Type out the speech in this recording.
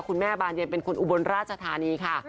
คุณแม่บารเยนเป็นคุณอุบรรณราชฐานีค่ะ